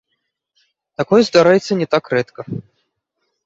Такое здараецца не так рэдка.